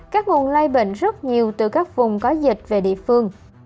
các nguồn lây bệnh rất nhiều từ các vùng có dịch về địa phương